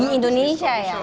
di indonesia ya